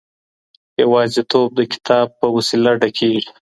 يوازېتوب د کتاب په وسيله ډکېږي.